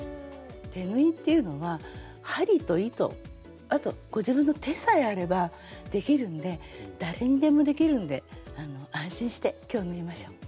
手縫いっていうのは針と糸あとご自分の手さえあればできるんで誰にでもできるんで安心して今日縫いましょう。